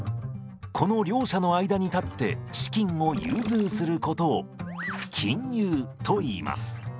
この両者の間に立って資金を融通することを金融といいます。